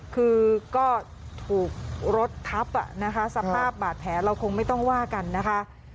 คือก็ถูกรถทับนะคะสภาพบาดแผลเราคงไม่ต้องว่ากันนะคะ